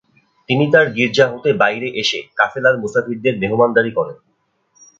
তিনি তার গির্জা হতে বাইরে এসে কাফেলার মুসাফিরদের মেহমানদারী করেন।